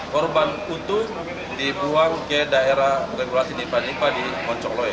korban utuh dibuang ke daerah regulasi nipah nipa di poncolok